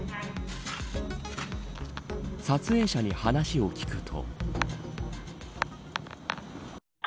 撮影者に話を聞くと。